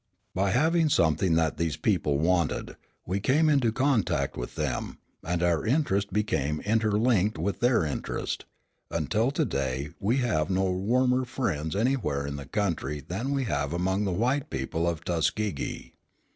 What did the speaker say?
By having something that these people wanted, we came into contact with them, and our interest became interlinked with their interest, until to day we have no warmer friends anywhere in the country than we have among the white people of Tuskegee.